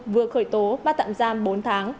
vừa khởi tố bắt tạm giam bốn tháng